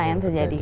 apa yang terjadi